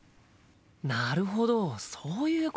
なるほどそういうことか。